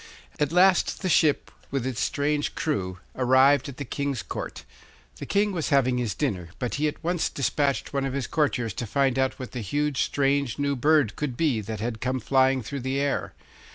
At last the ship, with its strange crew, arrived at the King's Court. The King was having his dinner, but he at once despatched one of his courtiers to find out what the huge, strange new bird could be that had come flying through the air.